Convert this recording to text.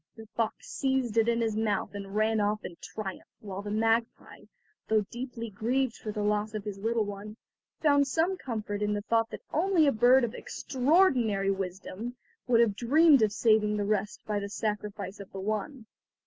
The fox seized it in his mouth and ran off in triumph, while the magpie, though deeply grieved for the loss of his little one, found some comfort in the thought that only a bird of extraordinary wisdom would have dreamed of saving the rest by the sacrifice of the one.